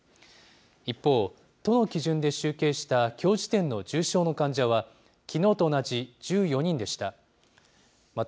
一方、都の基準で集計したきょう時点の重症の患者は、きのうと同じ１４人でした。